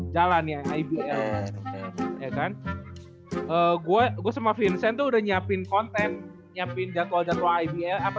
jalannya ibl ya kan gue gue sama vincent udah nyiapin konten nyapin jadwal jadwal ibl apa